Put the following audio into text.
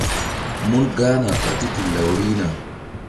Mun gahna ɓa titil law rihna.